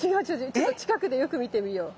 ちょっと近くでよく見てみよう。